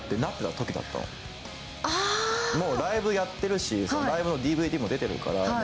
もうライブやってるし、ライブのＤＶＤも出てるから。